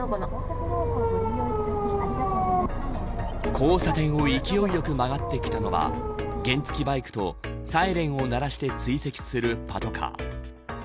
交差点を勢いよく曲がってきたのは原付バイクとサイレンを鳴らして追跡するパトカー。